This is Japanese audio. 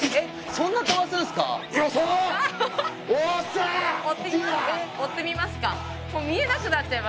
そんな飛ばすんすか？